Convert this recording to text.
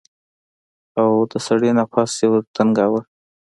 او د سړي نفس يې ورټنگاوه.